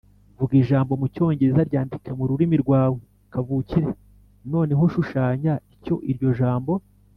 Vuga ijambo mu Cyongereza Ryandike mu rurimi rwawe kavukire Noneho shushanya icyo iryo jambo